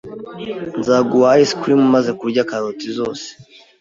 Nzaguha ice cream umaze kurya karoti zose.